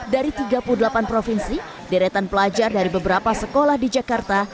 dari tiga puluh delapan provinsi deretan pelajar dari beberapa sekolah di jakarta